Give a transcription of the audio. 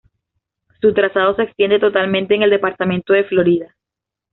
Su trazado se extiende totalmente en el departamento de Florida.